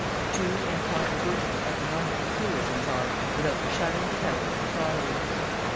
Two incontrovertible economical truisms are, without the shadow of a doubt, the following: 1.